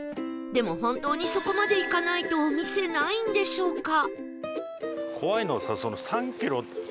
でも本当にそこまで行かないとお店ないんでしょうか？